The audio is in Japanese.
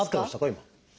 今。